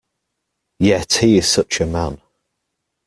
Yet he is such a man!